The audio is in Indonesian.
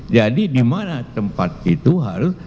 jadi dimana tempat itu harus